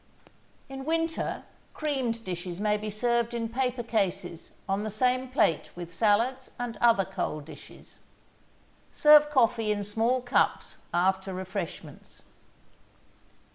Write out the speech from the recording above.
In winter creamed dishes may be served in paper cases on the same plate with salads and other cold dishes. Serve coffee in small cups after refreshments.